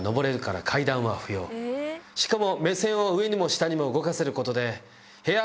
しかも。